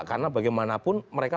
karena bagaimanapun mereka